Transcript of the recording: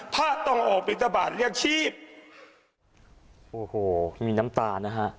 พระต้องออกบินทบาทเรียกชีพโอ้โหมีน้ำตานะฮะ